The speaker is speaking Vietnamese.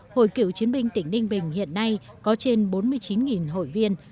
hội cựu chiến binh tỉnh đinh bình hiện nay có trên bốn mươi chín hội viên